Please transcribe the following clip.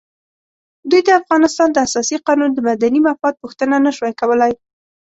دوی د افغانستان د اساسي قانون د مدني مفاد پوښتنه نه شوای کولای.